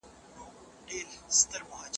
پاکي اوبه د ژوند دوام تضمینوي.